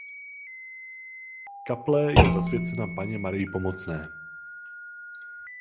Kaple je zasvěcena Panně Marii Pomocné.